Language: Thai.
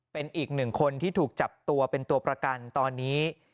เป็นอีกหนึ่งคนที่ถูกจับตัวเป็นตัวประกันตอนนี้